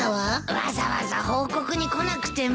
わざわざ報告に来なくても。